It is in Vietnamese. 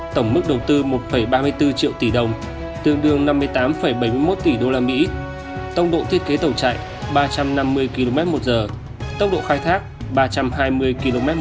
tổng mức đầu tư một ba mươi bốn triệu tỷ đồng tương đương năm mươi tám bảy mươi một tỷ usd tốc độ thiết kế tàu chạy ba trăm năm mươi kmh tốc độ khai thác ba trăm hai mươi kmh